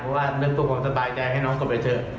เพราะว่านึกเพื่อความสบายใจให้น้องกลับไปเถอะ